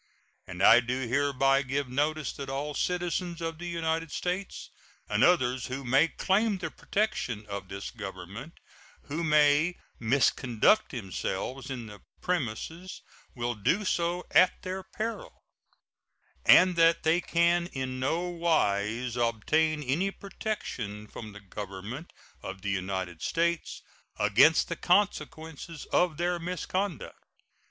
And I do hereby give notice that all citizens of the United States and others who may claim the protection of this Government who may misconduct themselves in the premises will do so at their peril, and that they can in no wise obtain any protection from the Government of the United States against the consequences of their misconduct.